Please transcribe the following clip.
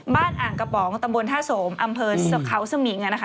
บ้านอ่างกระป๋องตำบลท่าสมอำเภอเขาสมิงนะคะ